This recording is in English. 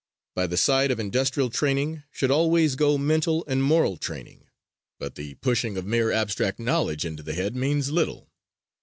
By the side of industrial training should always go mental and moral training, but the pushing of mere abstract knowledge into the head means little.